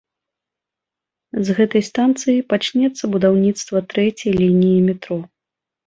З гэтай станцыі пачнецца будаўніцтва трэцяй лініі метро.